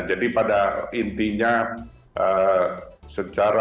jadi pada intinya secara